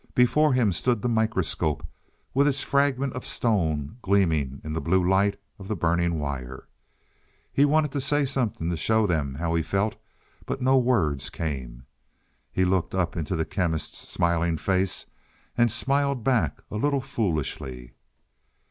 Before him stood the microscope, with its fragment of stone gleaming in the blue light of the burning wire. He wanted to say something to show them how he felt, but no words came. He looked up into the Chemist's smiling face, and smiled back a little foolishly.